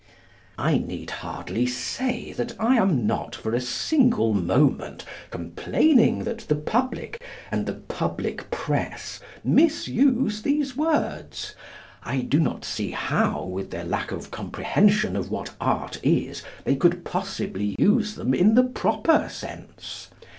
I need hardly say that I am not, for a single moment, complaining that the public and the public press misuse these words. I do not see how, with their lack of comprehension of what Art is, they could possibly use them in the proper sense.